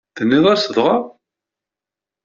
Tenniḍ-as-t dɣa?